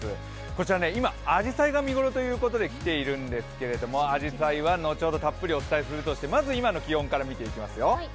こちら、今、あじさいが見頃ということで来ているんですがあじさいは後ほどたっぷりお伝えするとしてまず今の気温から見ていきますよ。